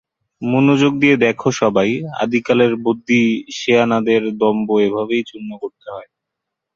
মনোযোগ দিয়ে দেখো সবাই, আদ্যিকালের বদ্যি সেয়ানাদের দম্ভ এভাবে চূর্ণ করতে হয়।